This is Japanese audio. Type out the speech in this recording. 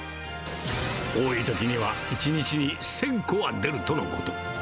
多いときには１日に１０００個は出るとのこと。